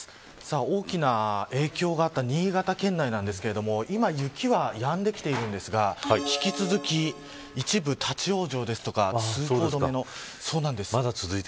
大きな影響があった新潟県内ですが今、雪はやんできているんですが引き続き一部、立ち往生ですとか通行止めの。